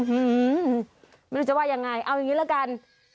หือไม่รู้จะว่ายังไงเอายังงี้แล้วกัน